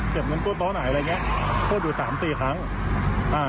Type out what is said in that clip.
เก็บเงินโทษโต๊ะไหนอะไรอย่างเงี้ยโทษอยู่สามสี่ครั้งอ่า